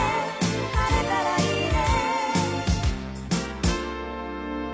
「晴れたらいいね」